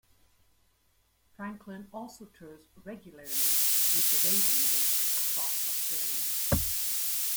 Franklin also tours regularly with The Radiators across Australia.